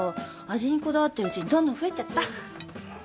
味にこだわってるうちにどんどん増えちゃった。